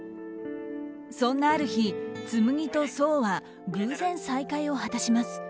そんなある日、紬と想は偶然再会を果たします。